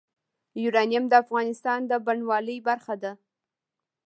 یورانیم د افغانستان د بڼوالۍ برخه ده.